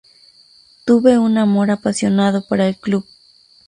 Tuve un amor apasionado para el club.